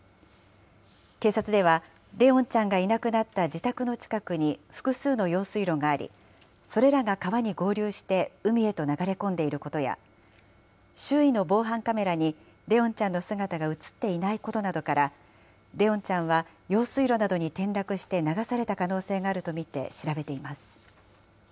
警察では、怜音ちゃんがいなくなった自宅の近くに複数の用水路があり、それらが川に合流して海へと流れ込んでいることや、周囲の防犯カメラに怜音ちゃんの姿が写っていないことなどから、怜音ちゃんは用水路などに転落して流された可能性があると見て調べています。